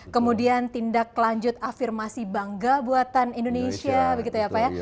kemudian tindak lanjut afirmasi bangga buatan indonesia begitu ya pak ya